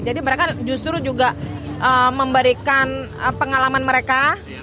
jadi mereka justru juga memberikan pengalaman mereka